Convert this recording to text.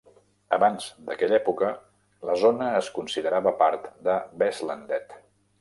Abans d'aquella època, la zona es considerava part de Vestlandet.